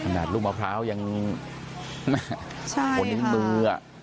ขนาดลูกมะพร้าวยังขนเนื้อ